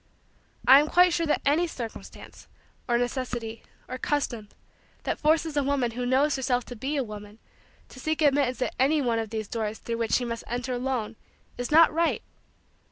I am quite sure that any circumstance, or necessity, or custom, that forces a woman who knows herself to be a woman to seek admittance at any one of those doors through which she must enter alone is not right.